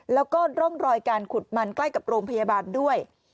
แล้วก็ร่องรอยการขุดมันใกล้กับโรงพยาบาลด้วย